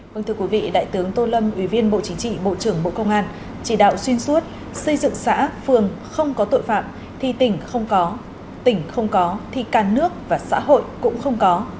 vâng thưa quý vị đại tướng tô lâm ủy viên bộ chính trị bộ trưởng bộ công an chỉ đạo xuyên suốt xây dựng xã phường không có tội phạm thì tỉnh không có tỉnh không có thì cả nước và xã hội cũng không có